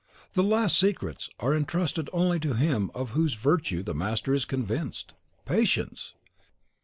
The last secrets are intrusted only to him of whose virtue the Master is convinced. Patience!